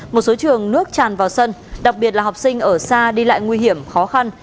một số trường nước tràn vào sân đặc biệt là học sinh ở xa đi lại nguy hiểm khó khăn